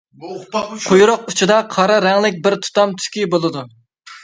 قۇيرۇق ئۇچىدا قارا رەڭلىك بىر تۇتام تۈكى بولىدۇ.